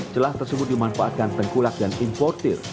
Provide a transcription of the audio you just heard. celah tersebut dimanfaatkan tengkulak dan impor tir